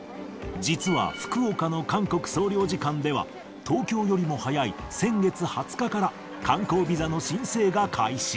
実は福岡の韓国総領事館では、東京よりも早い先月２０日から観光ビザの申請が開始。